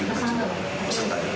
sudah sudah sudah